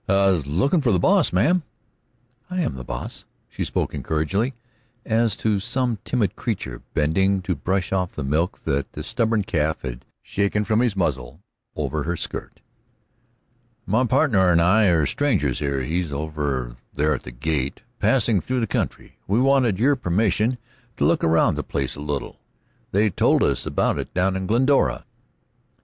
"I was looking for the boss, ma'am." "I'm the boss." She spoke encouragingly, as to some timid creature, bending to brush off the milk that the stubborn calf had shaken from its muzzle over her skirt. "My partner and I are strangers here he's over there at the gate passing through the country, and wanted your permission to look around the place a little. They told us about it down at Glendora."